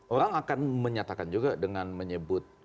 orang akan menyatakan juga dengan menyebut